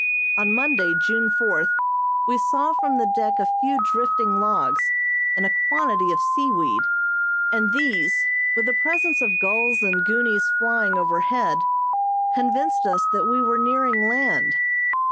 On Monday, June fourth, we saw from the deck a few drifting logs and a quantity of seaweed, and these, with the presence of gulls and goonies flying overhead, convinced us that we were nearing land.